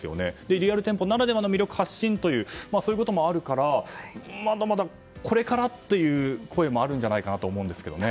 リアル店舗ならではの魅力発信もあるからまだまだこれからという声もあるんじゃないかと思うんですが。